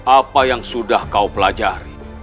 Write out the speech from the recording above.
apa yang sudah kau pelajari